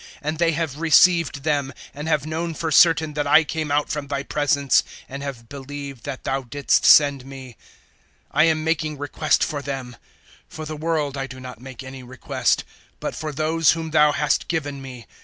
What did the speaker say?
And they have received them, and have known for certain that I came out from Thy presence, and have believed that Thou didst send me. 017:009 "I am making request for them: for the world I do not make any request, but for those whom Thou hast given me.